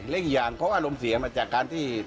เล่นอย่างเขาอารมณ์เสียมาจากการที่